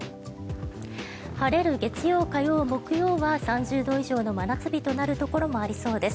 晴れる月曜、火曜、木曜は３０度以上の真夏日となるところもありそうです。